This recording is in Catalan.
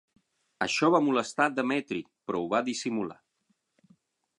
Això va molestar Demetri però ho va dissimular.